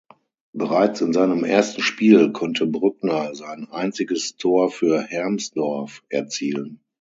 Bereits in seinem ersten Spiel konnte Brückner sein einziges Tor für Hermsdorf erzielen.